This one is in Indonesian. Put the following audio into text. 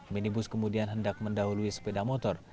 minibus kemudian hendak mendahului sepeda motor